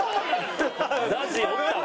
ＺＡＺＹおったわ。